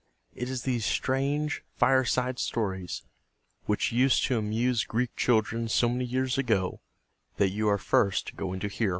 It is these strange fireside stories, which used to amuse Greek children so many years ago, that you are first going to hear.